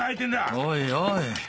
おいおい。